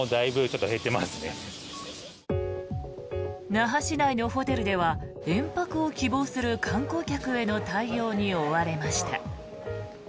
那覇市内のホテルでは延泊を希望する観光客への対応に追われました。